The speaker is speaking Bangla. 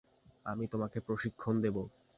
আমি তোমাকে প্রশিক্ষণ দেবো।